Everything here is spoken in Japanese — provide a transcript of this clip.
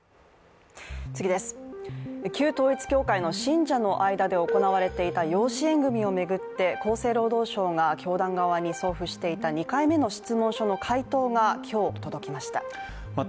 旧統一教会の信者の間で行われていた養子縁組を巡って、厚生労働省が教団側に送付していた２回目の質問書の回答が今日、今日、届きました。